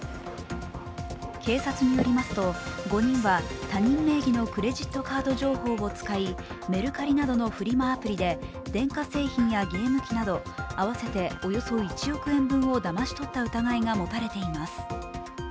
警察によりますと、５人は他人名義のクレジットカード情報を使いメルカリなどのフリマアプリで電化製品やゲーム機など合わせておよそ１億円分をだまし取った疑いが持たれています。